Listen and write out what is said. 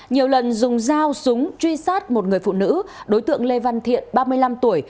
nhiều lần dùng dao súng truy sát một người phụ nữ đối tượng lê văn thiện ba mươi năm tuổi